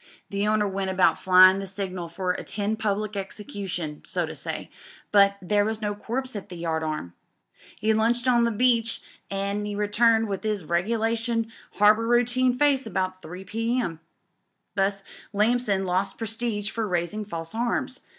Tl^e owner went about flyin' the signal for 'attend public execution,' so to say, but there was no corpse at tH9 yard arm. 'E lunched on the beach an' 'e retumetj with 'is regulation harbour routine face about 3 p. h. Thus Lamson lost prestige for raising false alarms.